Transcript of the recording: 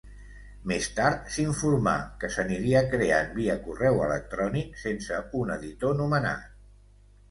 Més tard, s'informà que s'aniria creant via correu electrònic sense un editor nomenat.